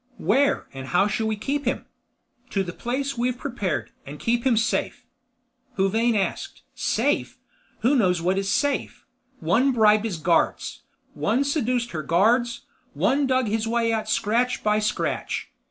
"Where? And how shall we keep him?" "To the place we've prepared. And keep him safe." Huvane asked, "Safe? Who knows what is safe? One bribed his guards. One seduced her guards. One dug his way out scratch by scratch.